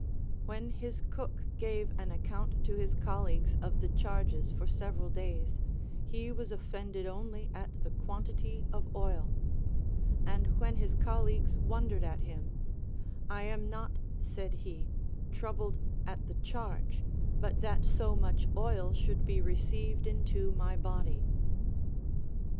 When his cook gave an account to his colleagues of the charges for several days, he was offended only at the quantity of oil ; and when his col leagues wondered at him, 1 am not, said he, troubled at the charge, but that so much oil should be received into my body.